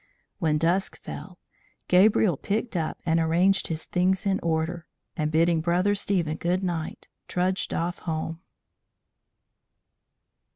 When dusk fell, Gabriel picked up and arranged his things in order, and bidding Brother Stephen good night, trudged off home.